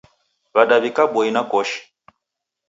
Wadaw'ika boi na koshi.